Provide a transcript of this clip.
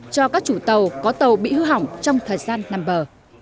cho các chủ tàu có tàu bị hư hỏng trong thời gian nằm bờ